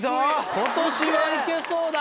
今年は行けそうだ。